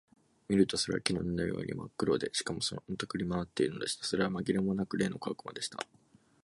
見るとそれは木の根のようにまっ黒で、しかも、のたくり廻っているのでした。それはまぎれもなく、例の小悪魔でした。